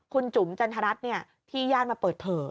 คุณจุ๋มจันทรัศน์เนี่ยที่ญาติมาเปิดเผย